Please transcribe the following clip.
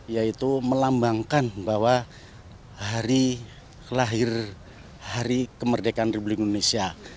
yaitu melambangkan bahwa hari kelahir hari kemerdekaan republik indonesia